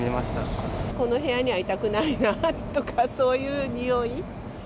この部屋にはいたくないなぁとか、そういうにおい。